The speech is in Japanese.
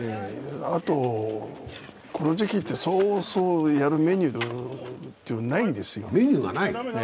あとこの時期ってそうそうやるメニューってないんですよ。